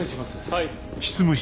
はい。